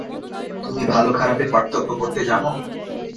তুমি ভালো খারাপের পার্থক্য করতে জানো?